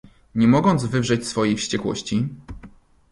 "nie mogąc wywrzeć swojej wściekłości!"